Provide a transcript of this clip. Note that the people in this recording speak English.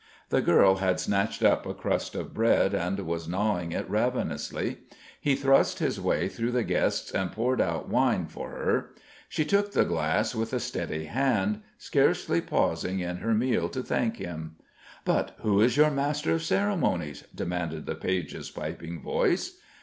The girl had snatched up a crust of bread and was gnawing it ravenously. He thrust his way through the guests and poured out wine for her. She took the glass with a steady hand, scarcely pausing in her meal to thank him. "But who is your master of ceremonies?" demanded the page's piping voice.